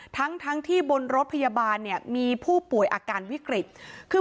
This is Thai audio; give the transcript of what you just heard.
ทั้งทั้งที่บนรถพยาบาลเนี่ยมีผู้ป่วยอาการวิกฤตคือ